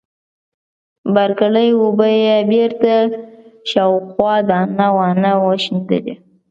بار کړې اوبه يې بېرته شاوخوا دانه وانه وشيندلې.